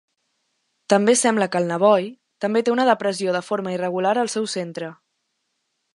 També sembla que el Navoi també té una depressió de forma irregular al seu centre.